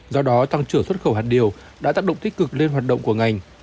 do đó tăng trưởng xuất khẩu hạt điều đã tác động tích cực lên hoạt động của ngành